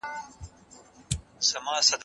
ټولنېز لاملونه د غږونو توپیر روښانوي.